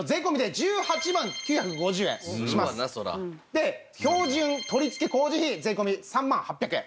で標準取付工事費税込３万８００円。